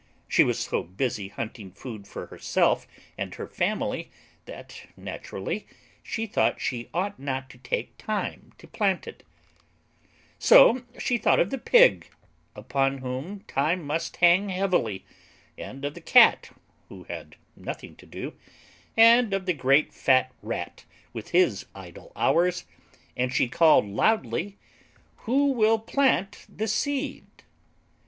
She was so busy hunting food for herself and her family that, naturally, she thought she ought not to take time to plant it. So she thought of the Pig upon whom time must hang heavily and of the Cat who had nothing to do, and of the great fat Rat with his idle hours, and she called loudly: "Who will plant the Seed?"